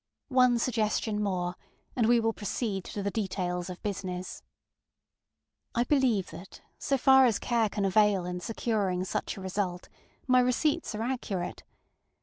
One suggestion more, and we will proceed to the details of business. I believe that, so far as care can avail in securing such a result, my receipts are accurate.